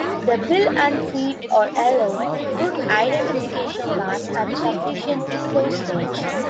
The bill and feet are yellow, good identification marks at sufficiently close range.